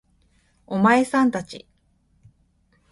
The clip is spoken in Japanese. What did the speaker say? お前さん達